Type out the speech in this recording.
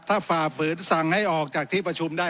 ขอประท้วงครับขอประท้วงครับขอประท้วงครับ